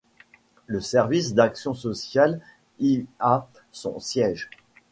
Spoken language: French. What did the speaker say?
Le service d'action sociale y a son siège.